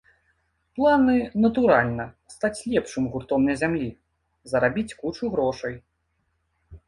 Планы, натуральна, стаць лепшым гуртом на зямлі, зарабіць кучу грошай.